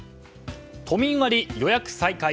都民割、予約再開。